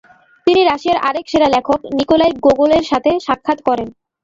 তিনি রাশিয়ার আরেক সেরা লেখক নিকোলাই গোগোলের সাথে সাক্ষাৎ করেন।